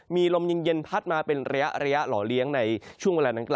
มีลมเย็นพัดมาเป็นระยะหล่อเลี้ยงในช่วงเวลานั้นกล